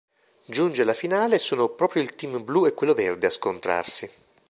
Giunge la finale e sono proprio il team blu e quello verde a scontrarsi.